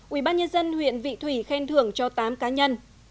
ubnd huyện vị thủy khen thưởng cho tám cá nhân